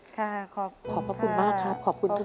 ขอบคุณค่ะขอบคุณทุกชีวิตครับ